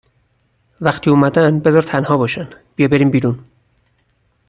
وقتی اومدن بذار تنها باشن بیا بریم بیرون